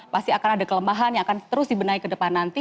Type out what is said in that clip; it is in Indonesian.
pasti akan ada kelemahan yang akan terus dibenahi ke depan nanti